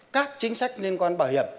các chính sách liên quan bảo hiểm